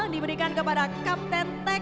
diberikan kepada kapten t e k yogasuarang